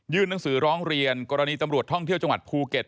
หนังสือร้องเรียนกรณีตำรวจท่องเที่ยวจังหวัดภูเก็ต